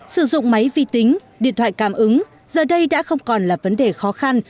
sử dụng máy vi tính điện thoại cảm ứng giờ đây đã không còn là vấn đề khó khăn